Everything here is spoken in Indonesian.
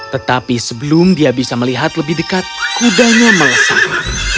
tetapi sebelum dia bisa melihat lebih dekat kudanya melesat